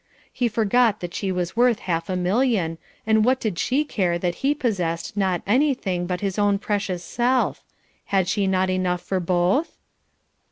He forgot that she was worth half a million, and what did she care that he possessed not anything but his own precious self! Had she not enough for both?